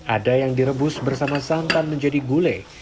ada yang direbus bersama santan menjadi gulai